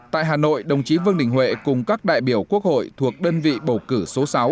tại hà nội đồng chí vương đình huệ cùng các đại biểu quốc hội thuộc đơn vị bầu cử số sáu